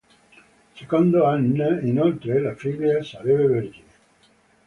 Secondo Anna, inoltre, la figlia sarebbe vergine.